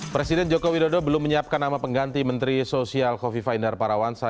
presiden joko widodo belum menyiapkan nama pengganti menteri sosial kofifa indar parawansa